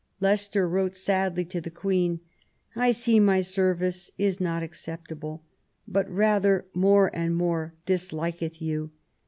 Leicester wrote sadly to the Queen :" I see my service is not acceptable, but rather more and more disliketh you.